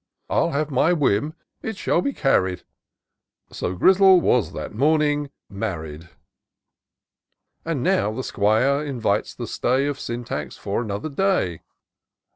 Ill have my whim — ^it shaQ be carried :"— So Grizzle was that morning married. And now the 'Squire invites the stay Of Syntax for another day.